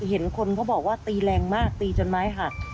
เห็นคนเขาบอกว่าตีแรงมากตีจนไม้หัก